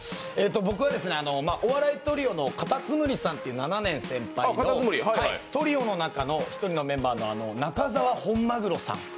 僕は、お笑いトリオのかたつむりさんという７年先輩の、トリオの中の１人のメンバー、中澤本鮪さん。